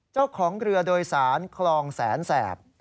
เจ้าของเรือโดยสารคลองแสนแสบ